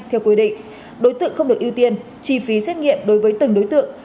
theo quy định đối tượng không được ưu tiên chi phí xét nghiệm đối với từng đối tượng